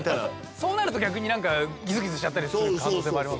そうなると逆になんかギスギスしちゃったりする可能性もあります